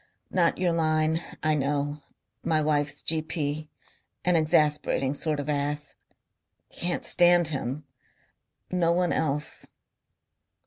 "Not your line. I know.... My wife's G.P. an exasperating sort of ass. Can't stand him. No one else."